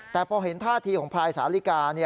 แต่พอเห็นท่าทีของพลายสาลิกา